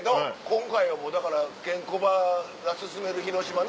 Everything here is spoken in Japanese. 今回はもうだからケンコバが薦める広島の。